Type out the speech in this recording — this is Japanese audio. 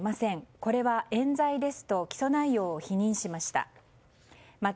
これは冤罪ですと起訴内容を否認しました。